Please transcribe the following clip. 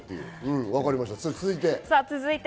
続いて。